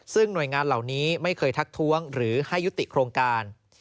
ซึ่งหน่วยงานเหล่านี้ไม่เคยทักท้วงหรือให้ยุติโครงการ